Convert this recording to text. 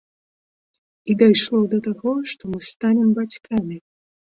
І дайшло да таго, што мы станем бацькамі!